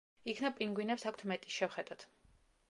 იქნებ პინგვინებს აქვთ მეტი, შევხედოთ.